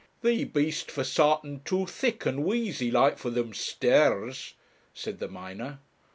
'Thee bee'st for sartan too thick and weazy like for them stairs,' said the miner.